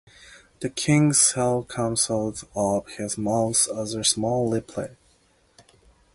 The king's soul comes out of his mouth as a small reptile.